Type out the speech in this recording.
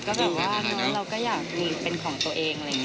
ก็แบบว่าเราก็อยากมีเป็นของตัวเอง